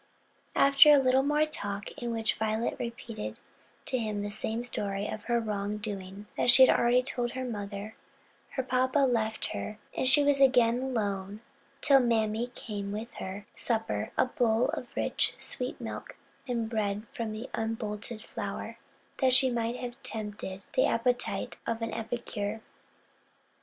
After a little more talk, in which Violet repeated to him the same story of her wrong doing that she had already told her mother, her papa left her and she was again alone till mammy came with her supper a bowl of rich sweet milk and bread from the unbolted flour, that might have tempted the appetite of an epicure.